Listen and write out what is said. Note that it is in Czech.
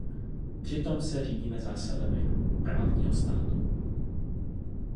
Přitom se řídíme zásadami právního státu.